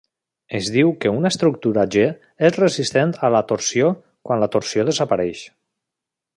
Es diu que una estructura "G" és resistent a la torsió quan la torsió desapareix.